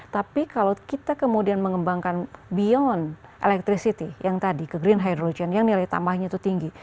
tapi kalau kita kemudian mengembangkan beyond electricity yang tadi ke green hydrogen yang nilai tambahnya itu tinggi